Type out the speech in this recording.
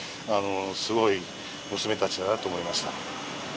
すごい娘たちだなと思いました。